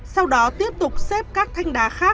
sau đó tiếp tục xếp các thanh đá khác